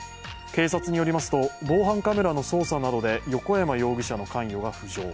警察によりますと、防犯カメラの操作などで横山容疑者の関与が浮上。